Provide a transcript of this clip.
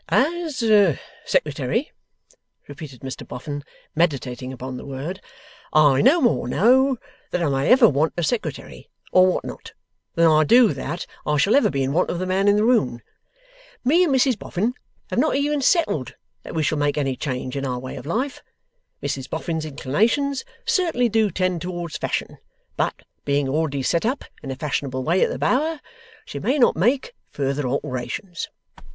'As Secretary,' repeated Mr Boffin, meditating upon the word; 'I no more know that I may ever want a Secretary, or what not, than I do that I shall ever be in want of the man in the moon. Me and Mrs Boffin have not even settled that we shall make any change in our way of life. Mrs Boffin's inclinations certainly do tend towards Fashion; but, being already set up in a fashionable way at the Bower, she may not make further alterations.